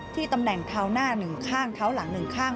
ที่ตำแหน่งเท้าหน้า๑ข้างเท้าหลัง๑ข้าง